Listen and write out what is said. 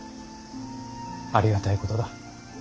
ありがたいことだ。